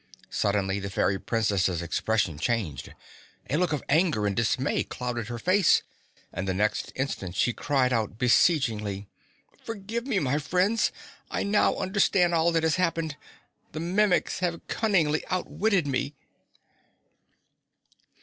Suddenly the Fairy Princess's expression changed. A look of anger and dismay clouded her face, and the next instant she cried out beseechingly: "Forgive me, my friends! I now understand all that has happened. The Mimics have cunningly outwitted me!"